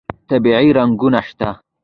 طبیعي رنګونه شته.